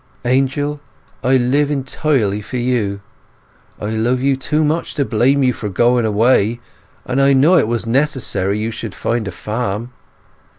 Angel, I live entirely for you. I love you too much to blame you for going away, and I know it was necessary you should find a farm.